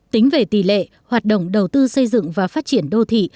tính về tỷ lệ hoạt động đầu tư xây dựng và phát triển đô thị